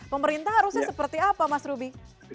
pemerintah harusnya seperti apa mas ruby